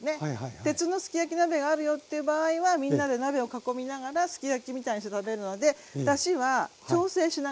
鉄のすき焼き鍋があるよという場合はみんなで鍋を囲みながらすき焼きみたいにして食べるのでだしは調整しながら。